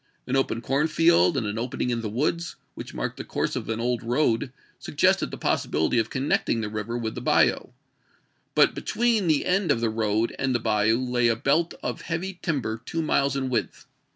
An open cornfield and an opening in the woods, which marked the course of an old road, suggested the possibility of connecting j ^, the river with the bayou; but between the end of ..latTies the road and the bayou lay a belt of heavy timber LelSers two miles in width.